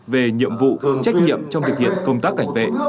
về nhiệm vụ trách nhiệm trong thực hiện công tác cảnh vệ